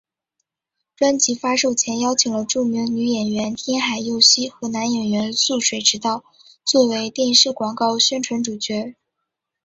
专辑发售前邀请了著名女演员天海佑希和男演员速水直道作为电视广告宣传主角。